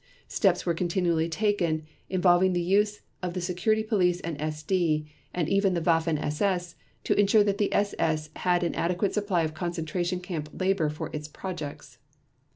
Steps were continually taken, involving the use of the Security Police and SD and even the Waffen SS, to insure that the SS had an adequate supply of concentration camp labor for its projects.